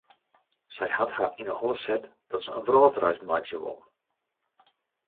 Sy hat har yn 'e holle set dat se in wrâldreis meitsje wol.